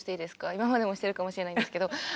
今までもしてるかもしれないんですけど。